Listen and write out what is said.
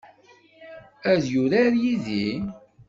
Ad yurar yid-i?